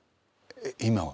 今は？